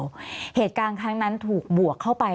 เหตุการณ์ครั้งนั้นถูกบวกเข้าไป